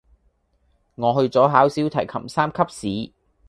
我去咗考小提琴三級試